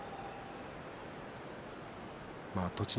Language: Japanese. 栃ノ